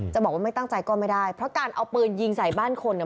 จะบอกว่าไม่ตั้งใจก็ไม่ได้เพราะการเอาปืนยิงใส่บ้านคนเนี่ย